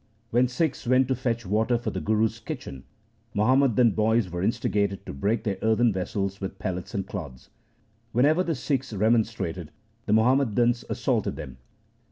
When Sikhs went to fetch water for the Guru's kitchen, Muhammadan boys were instigated to break their earthen vessels with pellets and clods. When ever the Sikhs remonstrated, the Muhammadans assaulted them.